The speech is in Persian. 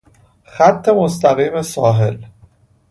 خط مستقیم ساحل